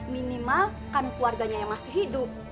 minimal kan keluarganya yang masih hidup